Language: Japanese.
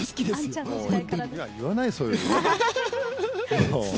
言わない、そういうの。